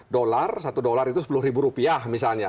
dolar satu dolar itu sepuluh ribu rupiah misalnya